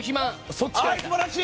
そっちかい。